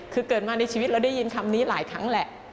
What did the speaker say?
คือเกิดมาในชีวิตเราได้ยินคำนี้หลายครั้งแหละ